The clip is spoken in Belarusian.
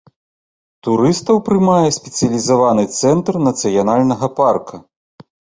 Турыстаў прымае спецыялізаваны цэнтр нацыянальнага парка.